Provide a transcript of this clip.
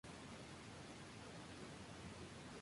Hubo muchos cambios inesperados en esta temporada.